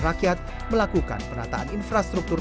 rakyat melakukan penataan infrastruktur